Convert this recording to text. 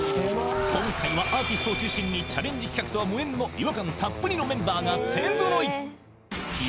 今回はアーティストを中心にチャレンジ企画とは無縁の違和感たっぷりのメンバーが勢揃い